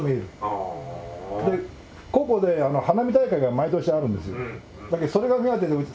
ここで花火大会が毎年あるんですよ。